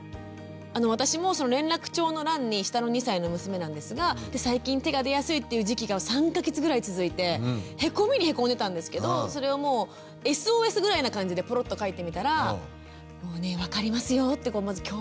私も連絡帳の欄に下の２歳の娘なんですが最近手が出やすいっていう時期が３か月ぐらい続いてへこみにへこんでたんですけどそれをもうＳＯＳぐらいな感じでポロッと書いてみたらもうね分かりますよってまず共感して下さって。